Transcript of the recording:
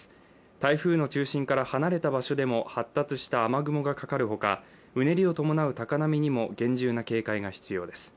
台風の中心から離れた場所でも発達した雨雲がかかるほかうねりを伴う高波にも厳重な警戒が必要です。